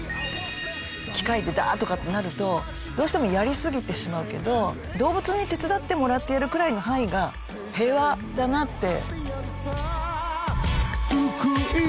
機械でダーッとかってなるとどうしてもやりすぎてしまうけど動物に手伝ってもらってやるくらいの範囲が平和だなって。